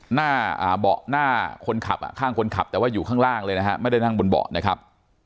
หน้าเบาะหน้าคนขับข้างคนขับแต่ว่าอยู่ข้างล่างเลยนะฮะไม่ได้นั่งบนเบาะนะครับ